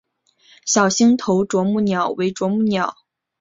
小星头啄木鸟为啄木鸟科啄木鸟属的鸟类。